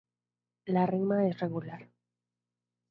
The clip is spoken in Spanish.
La rima es regular.